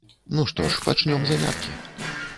Ну што ж пачнём заняткі.